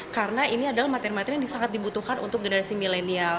karena ini adalah materi materi yang sangat dibutuhkan untuk generasi milenial